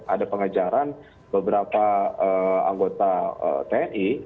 ada pengejaran beberapa anggota tni